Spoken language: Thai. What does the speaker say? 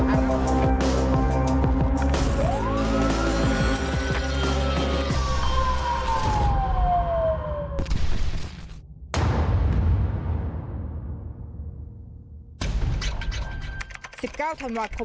มันกลายเปลี่ยนทุกวัน๑๙ธันวัดคม๒๕๖๐